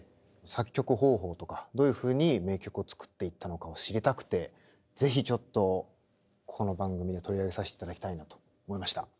作曲方法とかどういうふうに名曲を作っていったのかを知りたくて是非ちょっとこの番組で取り上げさせていただきたいなと思いました。